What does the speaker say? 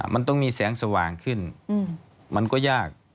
มันต้องมีแสงสว่างขึ้นมันก็ยาก